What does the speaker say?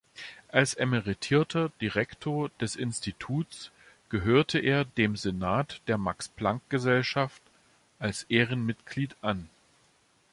Als emeritierter Direktor des Instituts gehörte er dem Senat der Max-Planck-Gesellschaft als Ehrenmitglied an.